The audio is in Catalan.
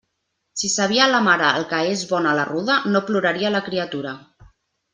Si sabia la mare el que és bona la ruda, no ploraria la criatura.